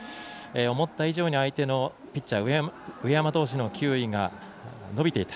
思った以上に相手のピッチャー上山投手の球威が伸びていた。